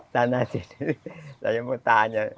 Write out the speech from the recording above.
tanah sendiri saya mau tanya